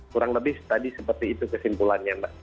kurang lebih tadi seperti itu kesimpulannya mbak